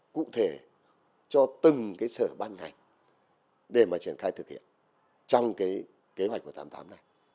cụ thể cho từng cái sở ban ngành để mà triển khai thực hiện trong cái kế hoạch một trăm tám mươi tám này